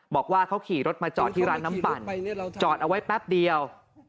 บอกว่าเขาขี่รถมาจอดที่ร้านน้ำปั่นจอดเอาไว้แป๊บเดียว